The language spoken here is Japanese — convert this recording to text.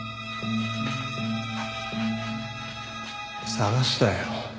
捜したよ。